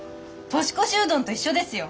年越しうどんと一緒ですよ。